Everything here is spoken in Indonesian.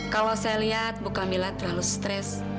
kalau saya lihat bu kamila terlalu stres